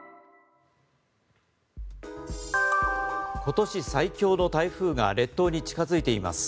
今年最強の台風が列島に近づいています。